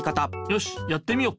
よしやってみよ。